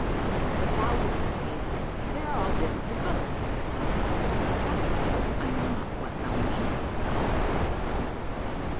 " But thou wouldst say, ' They all are differently colored ; canst not perceive that ?'"' I know not what thou meanest by color,' he would reply.